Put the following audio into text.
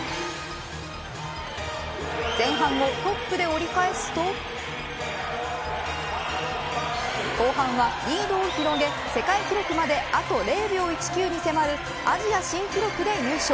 前半をトップで折り返すと後半はリードを広げ世界記録まであと０秒１９に迫るアジア新記録で優勝。